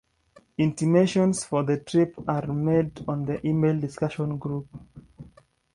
Intimations for the trips are made on the email discussion group.